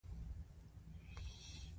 پښتو د شاوخوا شپيته ميليونه انسانانو ژبه ده.